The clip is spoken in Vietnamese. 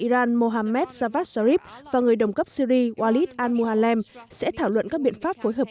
iran mohammad javad sharif và người đồng cấp syri walid al muallem sẽ thảo luận các biện pháp phối hợp